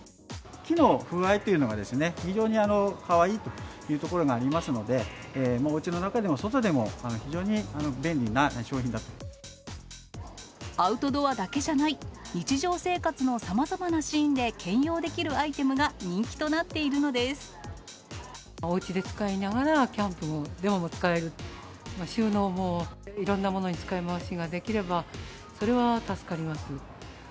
木の風合いというのが、非常にかわいいというところがありますので、おうちの中でも外でも、アウトドアだけじゃない、日常生活のさまざまなシーンで兼用できるアイテムが、人気となっおうちで使いながら、キャンプでも使える、収納も、いろんなものに使い回しができれば、それは助かります。